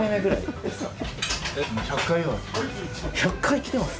１００回来てます？